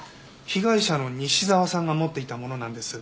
被害者の西沢さんが持っていたものなんです。